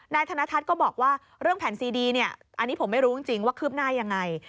ธนทัศน์ก็บอกว่าเรื่องแผ่นซีดีเนี่ยอันนี้ผมไม่รู้จริงว่าคืบหน้ายังไง